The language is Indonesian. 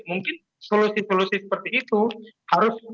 mungkin solusi solusi seperti itu harus